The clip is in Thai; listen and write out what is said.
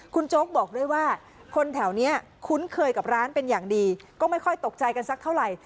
คุณโจ๊กบอกด้วยว่าคนแถวนี้คุ้นเคยกับร้านเป็นอย่างดีก็ไม่ค่อยตกใจกันสักเท่าไหร่